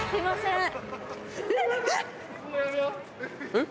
えっ！？